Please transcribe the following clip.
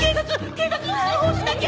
警察に通報しなきゃ！